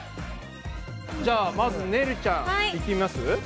じゃあまずねるちゃんいってみます？